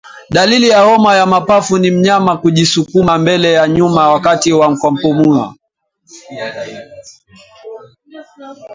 Dalili ya homa ya mapafu ni mnyama kujisukuma mbele na nyuma wakati wa kupumua